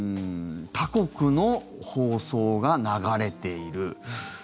他国の放送が流れている。